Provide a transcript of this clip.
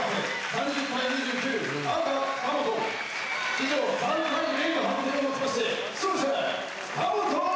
以上３対０の判定をもちまして。